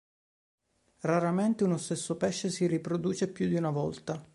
Raramente uno stesso pesce si riproduce più di una volta.